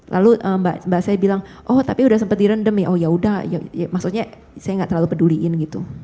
lalu mbak saya bilang oh tapi udah sempat direndam ya oh yaudah maksudnya saya nggak terlalu peduliin gitu